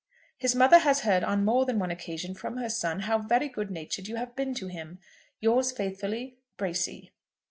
"His mother has heard on more than one occasion from her son how very good natured you have been to him. Yours faithfully, "BRACY."